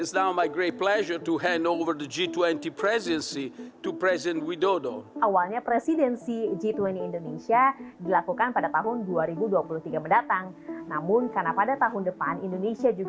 untuk pertama kalinya dalam sejarah indonesia memegang presidensi g dua puluh